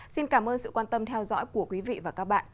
xin cảm ơn sự quan tâm theo dõi của quý vị và các bạn